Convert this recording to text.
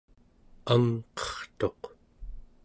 angqertuq